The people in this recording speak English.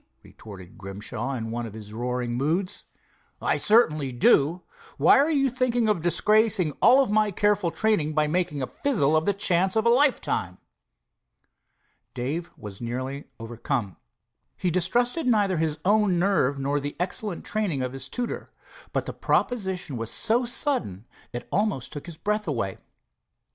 retorted Grimshaw, in one of his roaring moods. "I certainly do. Why, are you thinking of disgracing all my careful training, by making a fizzle of the chance of a lifetime!" Dave was nearly overcome. He distrusted neither his own nerve nor the excellent training of his tutor, but the proposition was so sudden it almost took his breath away.